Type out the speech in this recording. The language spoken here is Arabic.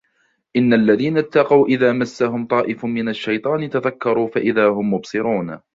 إن الذين اتقوا إذا مسهم طائف من الشيطان تذكروا فإذا هم مبصرون